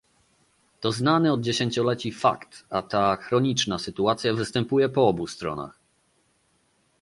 To znany od dziesięcioleci fakt, a ta chroniczna sytuacja występuje po obu stronach